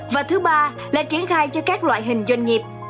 và thứ ba là triển khai cho các loại hình doanh nghiệp